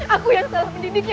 aku yang salah pendidiknya